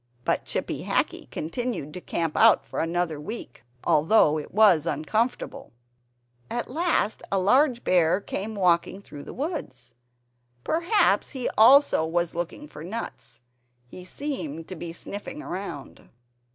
But Chippy Hackee continued to camp out for another week, although it was uncomfortable. At last a large bear came walking through the wood. Perhaps he also was looking for nuts; he seemed to be sniffing around.